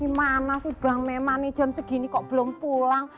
gimana sih bang memang jam segini kok belum pulang